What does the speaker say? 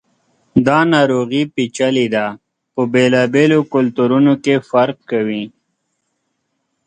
دا ناروغي پیچلي ده، په بېلابېلو کلتورونو کې فرق کوي.